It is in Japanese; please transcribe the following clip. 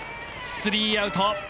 スリーアウト！